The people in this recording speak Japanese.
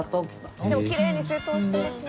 でもきれいに整頓してますね。